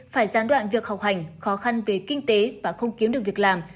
phải gián đoạn việc học hành khó khăn về kinh tế và không kiếm được việc làm